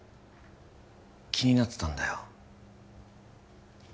気になってたんだよ